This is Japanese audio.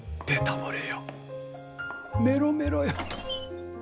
メロメロよ。